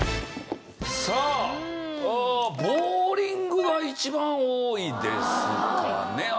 さあボウリングが一番多いですかね？